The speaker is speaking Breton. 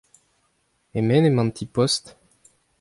E-men emañ an ti-post ?